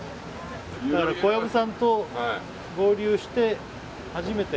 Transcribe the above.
小籔さんと合流して初めて。